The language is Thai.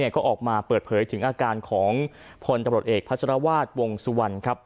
ก็ออกมาเปิดเผยถึงอาการของพลตำรวจเอกพัชรวาสวงสุวรรณ